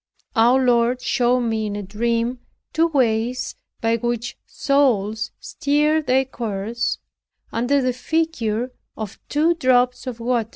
Our Lord showed me, in a dream, two ways by which souls steer their course, under the figure of two drops of water.